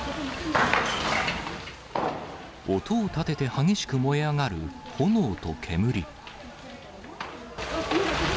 音を立てて激しく燃え上がる炎と煙。